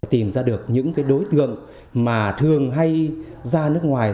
tìm ra được những đối tượng mà thường hay ra nước ngoài